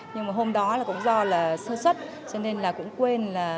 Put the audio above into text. nhưng mà hôm đó là cũng do là sơ xuất cho nên là cũng quên là